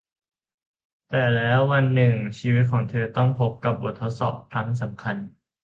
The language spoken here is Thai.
แต่แล้ววันหนึ่งชีวิตของเธอต้องพบกับบททดสอบครั้งสำคัญ